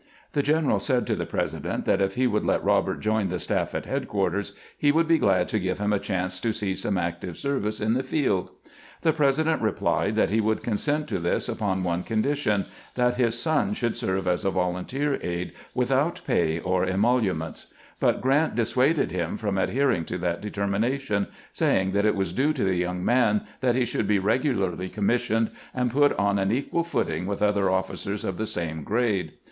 The general said to the President that if he would let Eobert join the staff at headquarters, he would be glad to give him a chance to see some active service in the field. The President replied that he would consent to this upon one condition : that his son should serve as a volunteer aide without pay or emoluments ; but Grant dissuaded him from adhering to that determination, saying that it was due to the young man that he should be regularly commissioned, and put on an equal footing with other oflBcers of the same grade.